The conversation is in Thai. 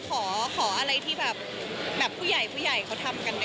ขออะไรที่แบบผู้ใหญ่เขาทำกันด้วยก่อน